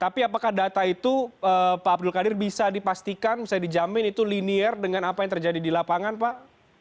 pak abdul qadir bisa dipastikan bisa dijamin itu linear dengan apa yang terjadi di lapangan pak